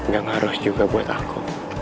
gak harus juga buat aku